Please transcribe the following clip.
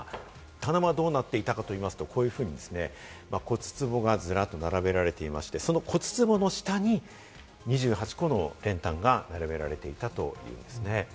棚はどうなっていたかといいますと、こういうふうに骨壺がずらっと並べられていまして、その骨壺の下に２８個の練炭が並べられていたというんですね。